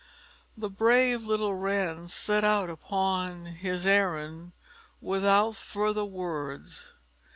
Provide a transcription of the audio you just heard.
The brave little bird set out upon his errand without further words.